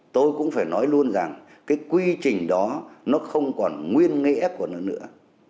tôi cũng phải nói luôn rằng cái quy trình đó nó không còn nguyên nghĩa của nó nữa